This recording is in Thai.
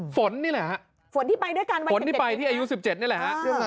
ฝนเนี้ยแหละฮะฝนที่ไปด้วยกันฝนที่ไปที่อายุสิบเจ็ดเนี้ยไหล๓๐๐